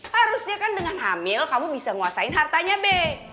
harusnya kan dengan hamil kamu bisa nguasain hartanya be